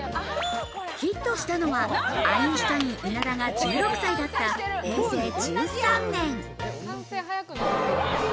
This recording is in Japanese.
ヒットしたのはアインシュタイン・稲田が１６歳だった、平成１３年。